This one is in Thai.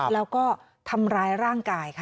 แล้วก็ทำร้ายร่างกายค่ะ